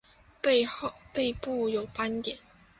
背部有斑点。